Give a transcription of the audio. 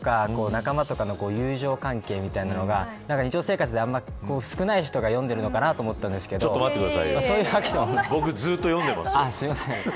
友達とか仲間とかの友情関係みたいなものが日常生活であんまり少ない人が読んでるのかなと思ったんですけどそういうわけでもない。